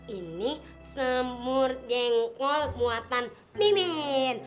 ini semur jengkol muatan mimin